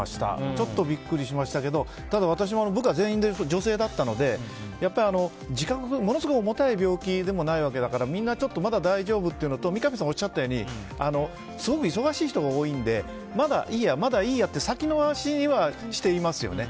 ちょっとビックリしましたけど部下全員、女性だったのでものすごく重たい病気でもないわけだからみんな、まだ大丈夫っていうのと三上さんがおっしゃったようにすごく忙しい人が多いのでまだいいやって先の話にしていますよね。